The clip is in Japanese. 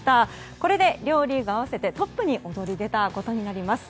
これで、両リーグ合わせてトップに躍り出たことになります。